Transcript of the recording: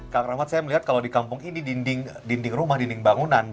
kang rahmat saya melihat kalau di kampung ini dinding rumah dinding bangunan